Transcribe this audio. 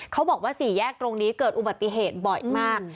เขาบอกว่าสี่แยกตรงนี้เกิดอุบัติเหตุบ่อยมาก